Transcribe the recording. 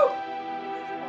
bahkan lu itu pada